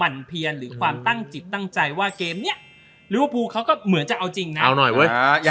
นี้เขาก็เหมือนจะเอาจริงนั้นเอาหน่อยเว้ยจะ